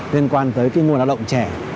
liên quan tới nguồn đạo động trẻ